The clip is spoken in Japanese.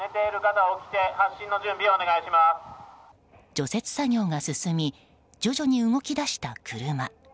除雪作業が進み徐々に動き出した車。